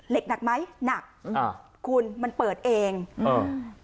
หนักไหมหนักอ่าคุณมันเปิดเองอืม